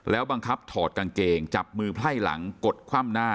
บังคับถอดกางเกงจับมือไพ่หลังกดคว่ำหน้า